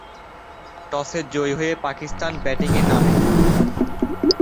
টসে জয়ী হয়ে পাকিস্তান ব্যাটিংয়ে নামে।